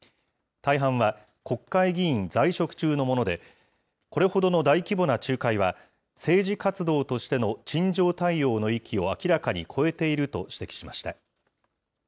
大半は国会議員在職中のもので、これほどの大規模な仲介は政治活動としての陳情対応の域を明らかに超えていると指摘しました。